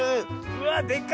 うわでか！